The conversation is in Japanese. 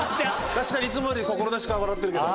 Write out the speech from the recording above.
確かにいつもより心なしか笑ってるけど。